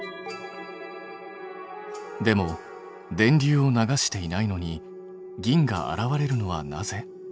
でも電流を流していないのに銀が現れるのはなぜ？